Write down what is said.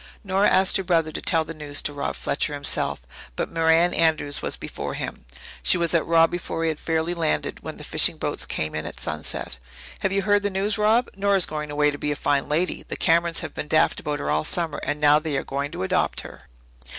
Nora asked her brother to tell the news to Rob Fletcher himself, but Merran Andrews was before him. She was at Rob before he had fairly landed, when the fishing boats came in at sunset. "Have you heard the news, Rob? Nora's going away to be a fine lady. The Camerons have been daft about her all summer, and now they are going to adopt her."